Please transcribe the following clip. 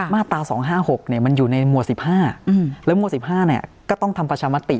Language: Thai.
มาตรา๒๕๖เนี่ยมันอยู่ในมัว๑๕แล้วมัว๑๕เนี่ยก็ต้องทำประชามติ